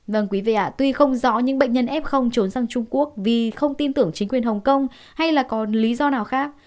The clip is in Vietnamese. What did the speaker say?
vâng quý vị ạ tuy không rõ những bệnh nhân f trốn sang trung quốc vì không tin tưởng chính quyền hồng kông hay là còn lý do nào khác